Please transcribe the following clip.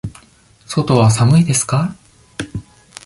外は寒いですか。